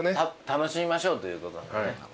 楽しみましょうということなんで。